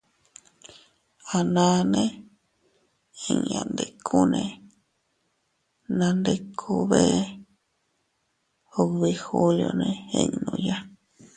Ananne inña ndikune, nandiku bee ubi julione innuya.